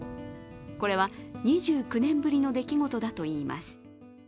これは２９年ぶりの出来事だといいます。